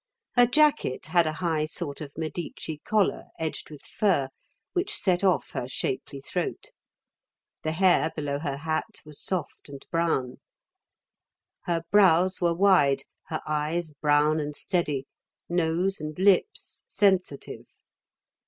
Her jacket had a high sort of Medici collar edged with fur, which set off her shapely throat. The hair below her hat was soft and brown. Her brows were wide, her eyes brown and steady, nose and lips sensitive.